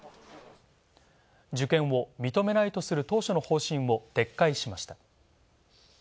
実験を認めないとする当初の方針を撤回しました。